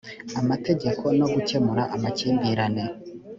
amategeko no gukemura amakimbirane